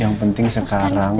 yang penting sekarang